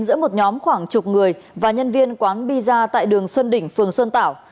giữa một nhóm khoảng chục người và nhân viên quán pizza tại đường xuân đỉnh phường xuân tảo